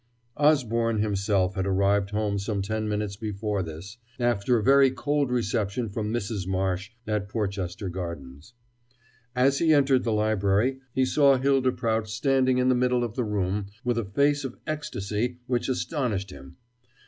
Osborne himself had arrived home some ten minutes before this, after a very cold reception from Mrs. Marsh at Porchester Gardens. As he entered the library, he saw Hylda Prout standing in the middle of the room with a face of ecstasy which astonished him.